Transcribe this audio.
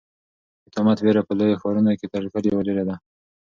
د تومت وېره په لویو ښارونو کې تر کلیو ډېره ده.